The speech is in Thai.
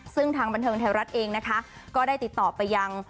ซึ่งทางบันเทิงไทยรัฐเองนะคะก็ได้ติดต่อไปยัง